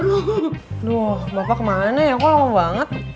aduh bapak kemarinnya kok lama banget